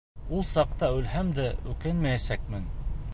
Ул саҡта үлһәм дә үкенмәйәсәкмен.